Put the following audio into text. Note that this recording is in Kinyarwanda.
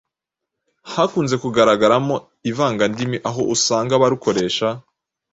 hakunze kugaragaramo ivangandimi, aho usanga abarukoresha,